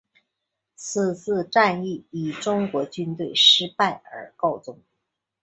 此次战役以中国军队失败而告终。